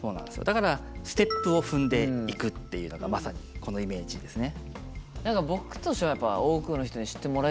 だからステップを踏んでいくっていうのがまさにこのイメージですね。